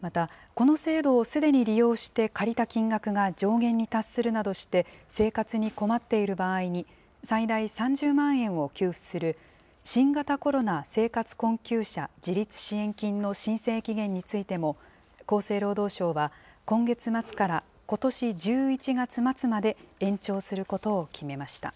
またこの制度をすでに利用して借りた金額が上限に達するなどして生活に困っている場合に、最大３０万円を給付する新型コロナ生活困窮者自立支援金の申請期限についても、厚生労働省は、今月末からことし１１月末まで延長することを決めました。